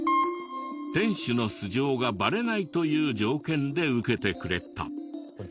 店主の素性がバレないという条件で受けてくれた。